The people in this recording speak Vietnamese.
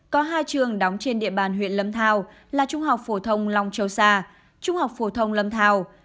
có hai trường đóng trên địa bàn huyện lâm thao là trung học phổ thông long châu sa trung học phổ thông lâm thao